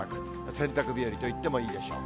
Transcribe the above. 洗濯日和と言ってもいいでしょう。